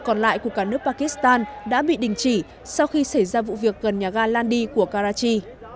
còn lại của cả nước pakistan đã bị đình chỉ sau khi xảy ra vụ việc gần nhà galandi của karachi